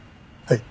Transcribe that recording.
はい。